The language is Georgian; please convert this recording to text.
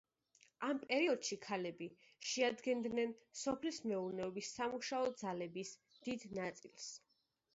ამ პერიოდში ქალები შეადგენდნენ სოფლის მეურნეობის სამუშაო ძალების დიდ ნაწილს.